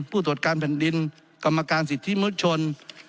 ผู้ตรวจการแผ่นดินกรรมการสิทธิมนุษยชน